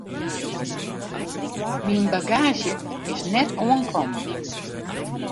Myn bagaazje is net oankommen.